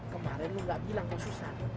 kemarin lo gak bilang ke susan